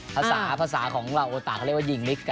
ภาษาภาษาของเราโอตะเขาเรียกว่ายิงมิก